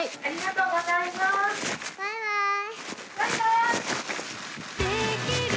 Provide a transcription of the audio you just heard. バイバイ。